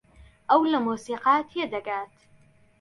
ئەو لە مۆسیقا تێدەگات.